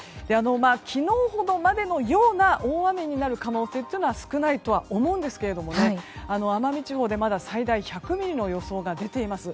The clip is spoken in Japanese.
昨日ほどまでのような大雨になる可能性は少ないとは思うんですが奄美地方で最大１００ミリの予想が出ています。